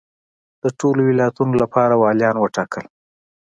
د ټولو ولایتونو لپاره والیان وټاکل.